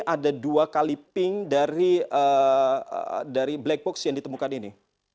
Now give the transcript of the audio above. ada dua kali pink dari black box yang ditemukan ini